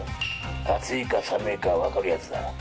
暑いか寒いか分かるやつだ。